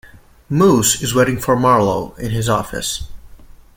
Moose is waiting for Marlowe at his office.